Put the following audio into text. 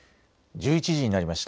１１時になりました。